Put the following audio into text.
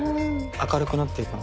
明るくなっていく。